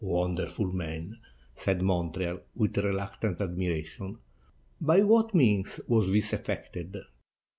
"Wonderful man!" said Montreal, with reluctant admiration. *'By what means was this effected?"